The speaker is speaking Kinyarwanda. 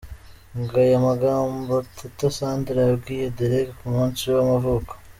Ngaya amagambo Teta Sandra yabwiye Dereck ku munsi we w'amavuko.